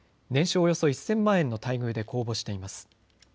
およそ１０００万円の待遇で公募しています。